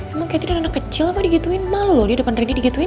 emang kayaknya udah anak kecil apa digituin malu loh dia depan rini digituin